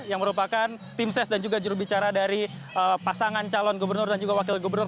yang merupakan tim ses dan juga jurubicara dari pasangan calon gubernur dan juga wakil gubernur